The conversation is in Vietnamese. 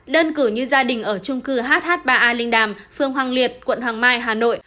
đơn cử như gia đình ở trung cư hh ba a linh đàm phường hoàng liệt quận hoàng mai hà nội